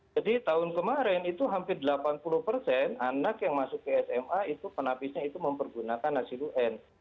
jadi tahun kemarin itu hampir delapan puluh persen anak yang masuk ke sma itu penapisnya itu mempergunakan hasil un